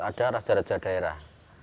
ada raja raja daerah